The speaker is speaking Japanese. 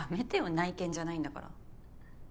内見じゃないんだから。